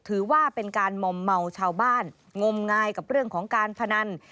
ถือว่าเป็นการมอมเมาชาวบ้านงมงายกับเรื่องของการพนัน